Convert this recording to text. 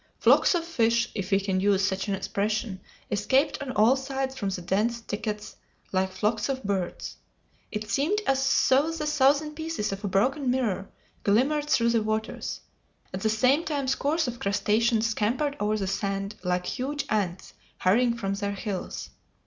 Flocks of fish, if we can use such an expression, escaped on all sides from the dense thickets like flocks of birds. It seemed as though the thousand pieces of a broken mirror glimmered through the waters. At the same time scores of crustaceans scampered over the sand, like huge ants hurrying from their hills.